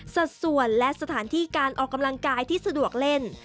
สัดส่วนและสถานที่การออกกำลังกายที่สะดวกเล่น